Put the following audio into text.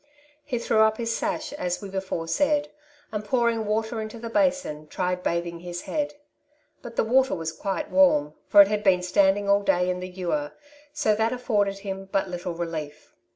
He threw up his sash, as we before said, and pouring water into the basin, tried bathing his head ; but the water was quite warm, for it had been standing all day in the ewer, so that afforded him but little relief.